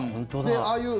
ああいう